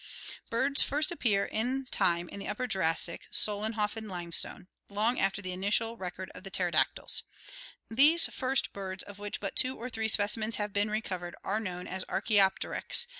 Birds first appear in time in the Upper Jurassic (Solenhofen limestone) long after the initial record of the pterodactyls. These first birds, of which but two or three specimens have been recovered, are known as Arckaopteryx (see Fig. 87 and PI.